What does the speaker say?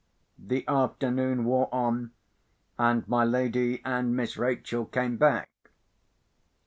The afternoon wore on, and my lady and Miss Rachel came back.